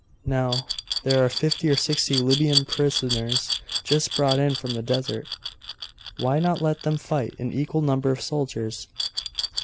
'Now, there are fifty or sixty Libyan prisoners just brought in from the desert. Why not let them fight an equal number of soldiers?